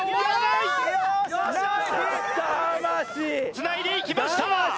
つないでいきました！